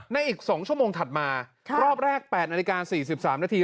อีก๒ชั่วโมงถัดมารอบแรก๘นาฬิกา๔๓นาที